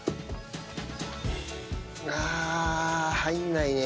ああ、入んないね。